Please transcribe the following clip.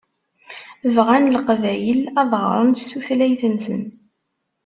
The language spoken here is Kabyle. Bɣan Leqbayel ad ɣṛen s tutlayt-nsen.